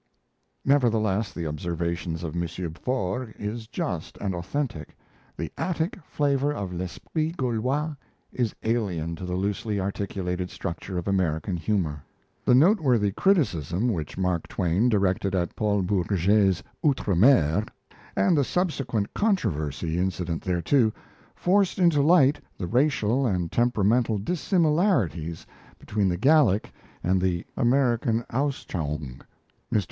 Nevertheless, the observation of M. Forgues is just and authentic the Attic flavour of l'esprit Gaulois is alien to the loosely articulated structure of American humour. The noteworthy criticism which Mark Twain directed at Paul Bourget's 'Outre Mer', and the subsequent controversy incident thereto, forced into light the racial and temperamental dissimilarities between the Gallic and the American Ausschauung. Mr.